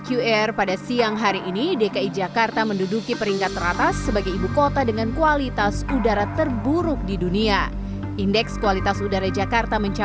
udara jakarta sedang tidak baik baik saja